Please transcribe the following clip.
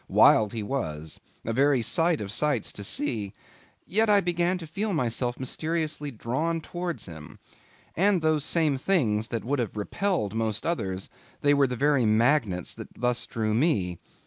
Wild he was; a very sight of sights to see; yet I began to feel myself mysteriously drawn towards him. And those same things that would have repelled most others, they were the very magnets that thus drew me.